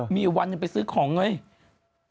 มีวันไปซื้อของเงิน